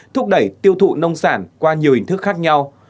thúc đẩy tiêu thụ nông sản qua nhiều hình thức khác nhau